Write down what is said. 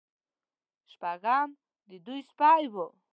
شپږم د دوی سپی و.